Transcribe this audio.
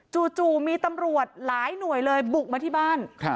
จู่มีตำรวจหลายหน่วยเลยบุกมาที่บ้าน